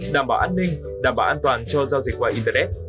đảm bảo an ninh đảm bảo an toàn cho giao dịch qua internet